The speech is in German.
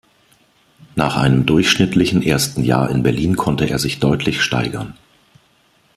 Nach einem durchschnittlichen ersten Jahr in Berlin konnte er sich deutlich steigern.